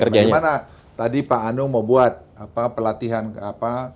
bagaimana tadi pak anung mau buat pelatihan apa